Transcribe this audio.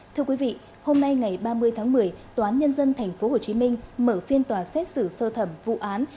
thưa quý vị hôm nay ngày ba mươi tháng một mươi tòa án nhân dân tp hcm mở phiên tòa xét xử sơ thẩm vụ án